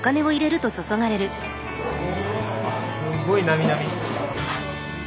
すごいなみなみ。